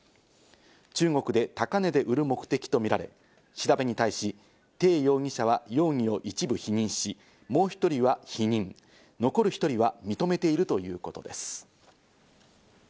中国で高値で売る目的とみられ、調べに対しテイ容疑者は容疑を一部否認し、もう１人は否認、残る１人は認めているということです。